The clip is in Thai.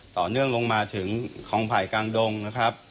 ต่อเนื่องลงมาถึงคองภัยกางดงนะครับ